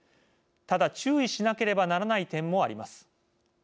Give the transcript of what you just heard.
ただ、注意しなければならない点もあります。